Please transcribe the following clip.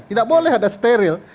tidak boleh ada steril